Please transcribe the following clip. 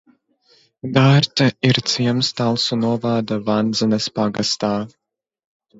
Dārte ir ciems Talsu novada Vandzenes pagastā.